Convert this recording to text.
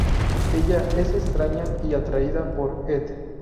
Ella es extraña y atraída por Ed.